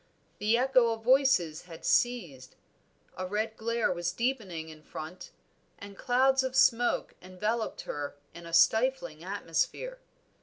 The echo of voices had ceased, a red glare was deepening in front, and clouds of smoke enveloped her in a stifling atmosphere.